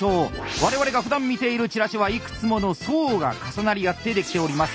我々がふだん見ているチラシはいくつもの層が重なり合って出来ております。